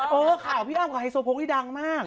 เออข่าวพี่อ้ำกับไฮโซโพกนี่ดังมาก